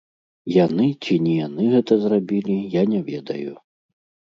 Яны ці не яны гэта зрабілі, я не ведаю.